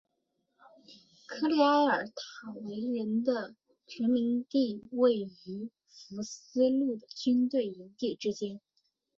科利埃尔塔维人的殖民地位于福斯路的军队营地之间。